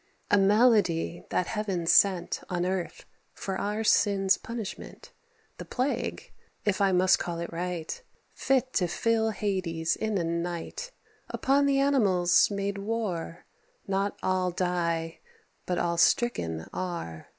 A Malady that Heaven sent On earth, for our sin's punishment The Plague (if I must call it right), Fit to fill Hades in a night Upon the animals made war; Not all die, but all stricken are.